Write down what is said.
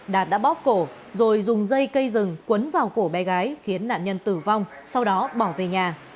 đạt đã bóp cổ rồi dùng dây cây rừng quấn vào cổ bé gái khiến nạn nhân tử vong sau đó bỏ về nhà